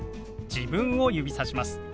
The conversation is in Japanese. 自分を指さします。